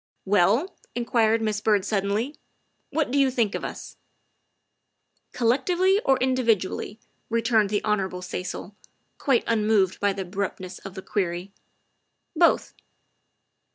" Well," inquired Miss Byrd suddenly, " what do you think of us ?"" Collectively or individually?" returned the Hon. Cecil, quite unmoved by the abruptness of the query. "Both."